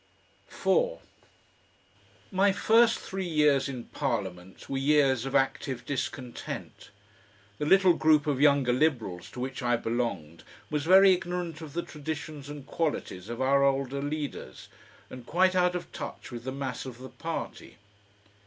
4 My first three years in Parliament were years of active discontent. The little group of younger Liberals to which I belonged was very ignorant of the traditions and qualities of our older leaders, and quite out of touch with the mass of the party.